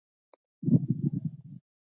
مصنوعي ځیرکتیا د بدلون منلو ته هڅوي.